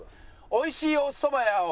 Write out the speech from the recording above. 美味しいおそば屋を。